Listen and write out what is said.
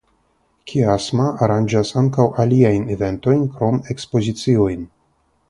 Kiasma aranĝas ankaŭ aliajn eventojn krom ekspoziciojn.